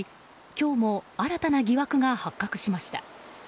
今日も新たな疑惑が発覚しました。